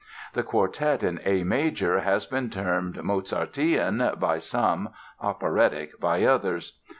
The Quartet in A major has been termed Mozartean by some, operatic by others.